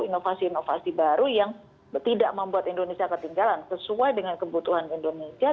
inovasi inovasi baru yang tidak membuat indonesia ketinggalan sesuai dengan kebutuhan indonesia